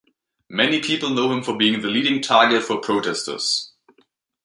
Many people know him for being the leading target for protesters.